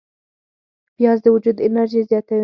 پیاز د وجود انرژي زیاتوي